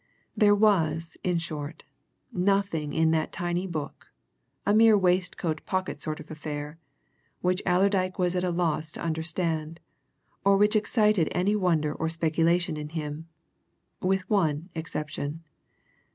There was, in short, nothing in that tiny book a mere, waistcoat pocket sort of affair which Allerdyke was at a loss to understand, or which excited any wonder or speculation in him: with one exception.